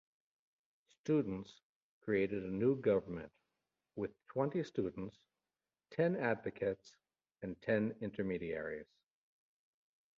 Students created a new government with twenty students, ten Advocates and ten Intermediaries.